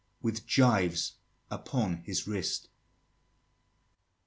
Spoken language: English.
With gyves upon his wrist.